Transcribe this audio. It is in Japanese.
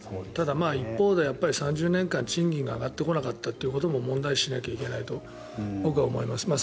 ただ、一方で３０年間賃金が上がってこなかったということも問題視しないといけないと思います。